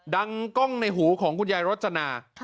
กล้องในหูของคุณยายรจนา